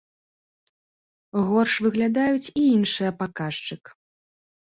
Горш выглядаюць і іншыя паказчык.